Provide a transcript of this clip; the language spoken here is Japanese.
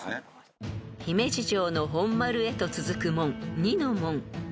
［姫路城の本丸へと続く門にノ門］